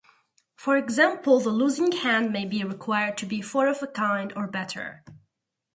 For example, the losing hand may be required to be four-of-a-kind or better.